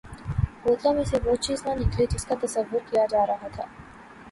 بوتلوں میں سے وہ چیز نہ نکلی جس کا تصور کیا جا رہا تھا۔